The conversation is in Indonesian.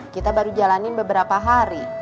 kita baru jalanin beberapa hari